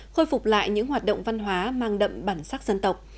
khôi phục lại những hoạt động văn hóa mang đậm bản sắc dân tộc